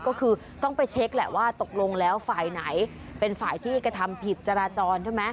ก็คือต้องไปเช็คแหละว่าตกลงแล้วฝ่ายไหนเป็นฝ่ายที่กระทำผิดจราจรใช่ไหม